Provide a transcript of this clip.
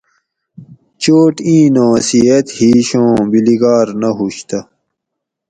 چوٹ اِیں نُوں صحت ہِش اُوں بِلگار نہ ہُوش تہ